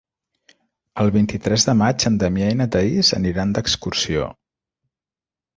El vint-i-tres de maig en Damià i na Thaís aniran d'excursió.